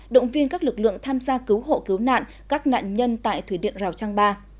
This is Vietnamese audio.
động viên các lực lượng tham gia cứu hộ cứu nạn các nạn nhân tại thủy điện rào trang ba